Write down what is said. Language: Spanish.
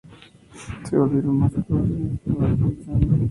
Se volvieron más proclives al auto-examen.